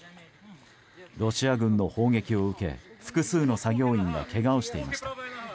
ロシア軍の砲撃を受け複数の作業員がけがをしていました。